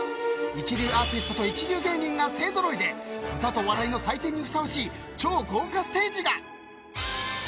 一流アーティストと一流芸人が勢ぞろいで歌と笑いの祭典にふさわしい超豪華ステージが。